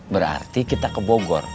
berarti kita ke bogor